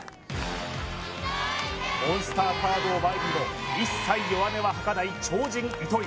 モンスターカーブを前にも一切弱音は吐かない超人糸井